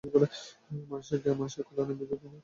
মানুষের জ্ঞান মানুষের কল্যাণের বিরোধী নয়।